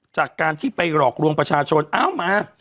จากการที่ไปหลอกลวงประชาชนเอ้ามา